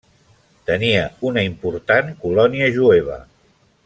Tenia una important colònia jueva.